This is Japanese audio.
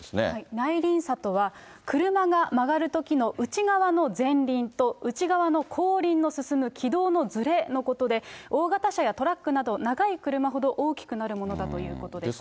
内輪差とは、車が曲がるときの内側の前輪と内側の後輪の進む軌道のずれのことで、大型車やトラックなど、長い車ほど大きくなるものだということです。